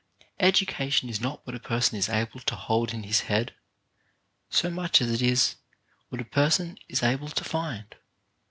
Edu cation is not what a person is able to hold in his head, so much as it is what a person is able to find.